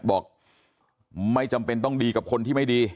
บอกไม่จำเป็นต้องดีกับคนที่ไม่ดี